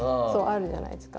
あるじゃないですか